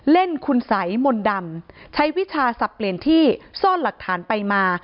เล่นคุณสัยมนต์ดำใช้วิชาสับเปลี่ยนที่ซ่อนหลักฐานไปมา